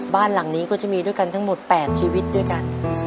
บ้านหลังนี้ก็จะมีด้วยกันทั้งหมด๘ชีวิตด้วยกัน